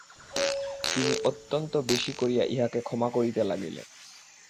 তিনি অত্যন্ত বেশি করিয়া ইহাকে ক্ষমা করিতে লাগিলেন।